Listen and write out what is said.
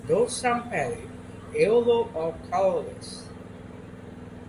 Dorsum pale yellow or colorless.